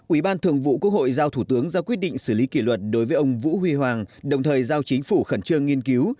ủy ban thường vụ quốc hội giao thủ tướng ra quyết định xử lý kỷ luật đối với ông vũ huy hoàng đồng thời giao chính phủ khẩn trương nghiên cứu